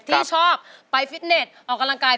ที่ชอบไปฟิตเน็ตเอาการกาย